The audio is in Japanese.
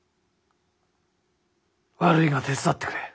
悪いが手伝ってくれ。